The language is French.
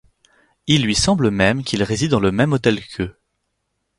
Il lui semble même qu'il réside dans le même hôtel qu'eux.